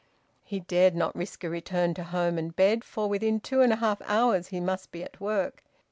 He dared not risk a return to home and bed, for within two and a half hours he must be at work.